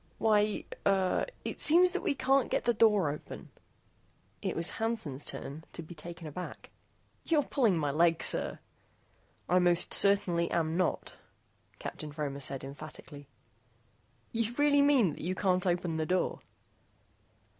"Why, er, it seems that we can't get the door open." It was Hansen's turn to be taken aback. "You're pulling my leg, sir." "I most certainly am not," Captain Fromer said emphatically. "You really mean that you can't open the door?"